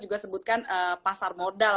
juga sebutkan pasar modal